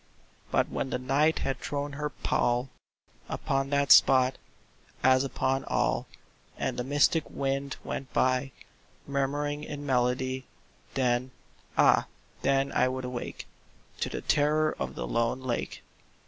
But when the Night had thrown her pall Upon that spot, as upon all, And the mystic wind went by Murmuring in melody— Then—ah then I would awake To the terror of the lone lake.